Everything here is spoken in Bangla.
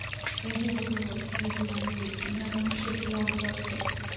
এ যে দুর্লভ, এ যে মানবী, ইহার রহস্যের কি অন্ত আছে।